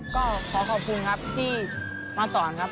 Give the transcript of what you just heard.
ก็ขอขอบคุณครับที่มาสอนครับ